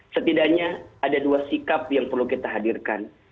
setidaknya ada dua sikap yang perlu kita hadirkan